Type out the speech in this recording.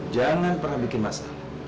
jangan pernah bikin masalah